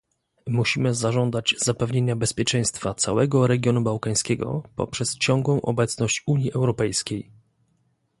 Musimy zażądać zapewnienia bezpieczeństwa całego regionu bałkańskiego poprzez ciągłą obecność Unii Europejskiej